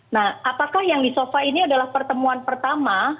nah apakah yang di sofa ini adalah pertemuan pertama